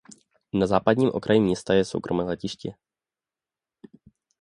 Na západním okraji města je soukromé letiště.